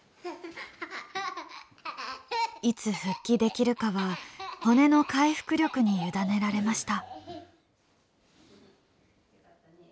いつ復帰できるかは骨の回復力に委ねられました。